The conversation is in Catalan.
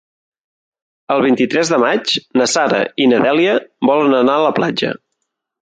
El vint-i-tres de maig na Sara i na Dèlia volen anar a la platja.